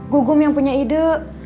gugum yang punya ide